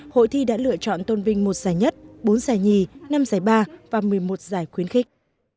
hội thi đã lựa chọn tôn vinh một giải nhất bốn giải nhì năm giải ba và một mươi một giải khuyến khích